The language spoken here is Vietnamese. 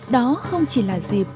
đó không chỉ là dịp